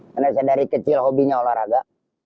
karena saya dari kecil hobinya olahraga